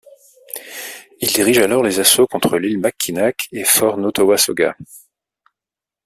Il dirige alors les assauts contre l'île Mackinac et fort Nautauwassauga.